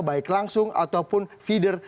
baik langsung ataupun feeder